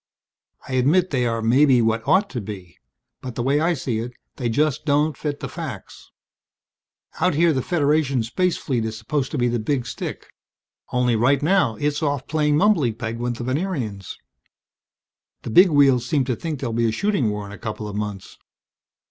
I admit they are maybe what ought to be. But the way I see it they just don't fit the facts. Out here the Federation space fleet is supposed to be the big stick. Only right now it's off playing mumbly peg with the Venerians. "The Big Wheels seem to think there'll be a shooting war in a couple of months.